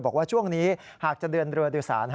บอกว่าช่วงนี้หากจะเดินเรือโดยสาร